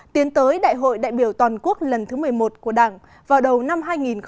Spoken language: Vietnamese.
tiến tới đại hội đại biểu toàn quốc lần thứ một mươi một của đảng vào đầu năm hai nghìn hai mươi